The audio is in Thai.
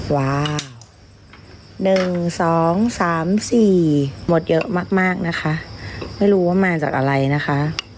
ว้าว๑๒๓๔หมดเยอะมากนะคะไม่รู้ว่ามาจากอะไรนะคะ